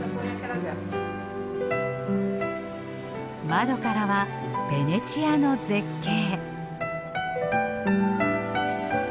窓からはベネチアの絶景。